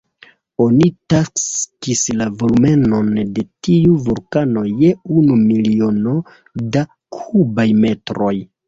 Oni taksis la volumenon de tiu vulkano je unu miliono da kubaj metroj.